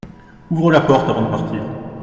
Ouvre la porte avant de partir.